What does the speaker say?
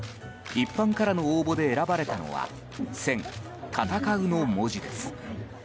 一般からの応募で選ばれたのは「戦」、戦うの文字です。